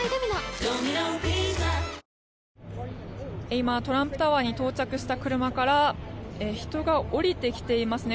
今、トランプタワーに到着した車から人が降りてきていますね。